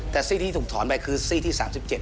แต่ซี่ที่ถูกถอนไปคือซี่ที่๓๗